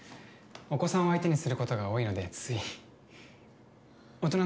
お子さんを相手にすることが多いので、つい。